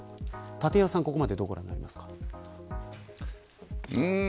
立岩さん、ここまでどうご覧になりますか。